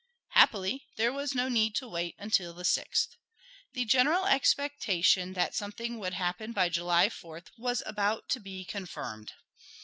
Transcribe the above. Happily, there was no need to wait until the 6th. The general expectation that something would happen by July 4th was about to be confirmed.